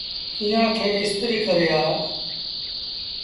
ايٚئآن کي استريٚ ڪري آ۔